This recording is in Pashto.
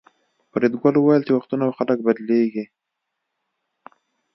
فریدګل وویل چې وختونه او خلک بدلیږي